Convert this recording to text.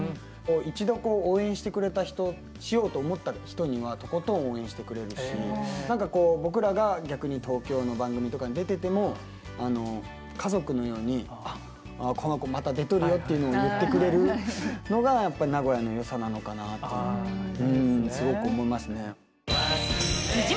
一度こう応援してくれた人しようと思った人にはとことん応援してくれるし何かこう僕らが逆に東京の番組とかに出てても家族のように「この子また出とるよ」っていうのを言ってくれるのがやっぱ名古屋のよさなのかなっていうのはすごく思いますね。